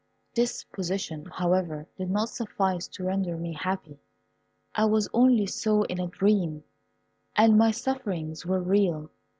This position, however, did not suffice to render me happy. I was only so in a dream, and my sufferings were real.